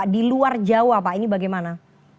di luar jawa pak ini bagaimana